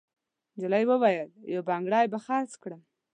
نجلۍ وویل: «یو بنګړی به خرڅ کړم.»